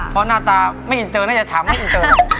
เพราะหน้าตาไม่อินเจอน่าจะถามไม่อินเจอ